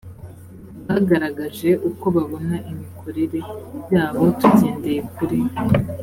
bagaragaje uko babona imikorere yabo tugendeye kuri